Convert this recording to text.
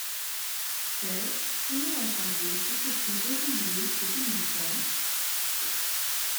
Certes, son nom a changé et ses prix évolué au fil du temps.